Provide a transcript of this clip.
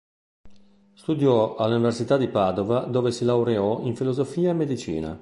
Studiò all'Università di Padova dove si laureò in filosofia e medicina.